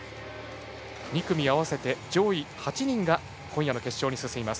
２組合わせて上位８人が今夜の決勝に進みます。